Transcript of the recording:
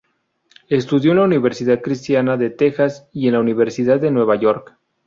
Estudió en la Universidad Cristiana de Texas y en la Universidad de Nueva York.